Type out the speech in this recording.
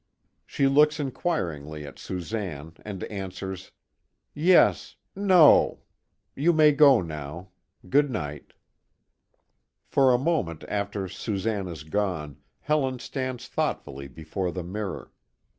She looks inquiringly at Susanne and answers: "Yes no you may go now. Good night." For a moment after Susanne is gone, Helen stands thoughtfully before the mirror.